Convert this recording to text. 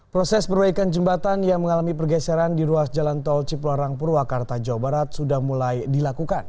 proses perbaikan jembatan yang mengalami pergeseran di ruas jalan tol cipularang purwakarta jawa barat sudah mulai dilakukan